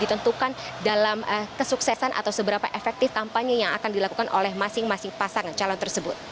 ditentukan dalam kesuksesan atau seberapa efektif kampanye yang akan dilakukan oleh masing masing pasangan calon tersebut